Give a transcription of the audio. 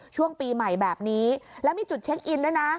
ช่วงปีใหม่แบบนี้แล้วมีจุดเช็คอินด้วยนะ